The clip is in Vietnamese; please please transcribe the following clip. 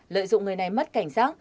lợi dụng người này mất cảnh giác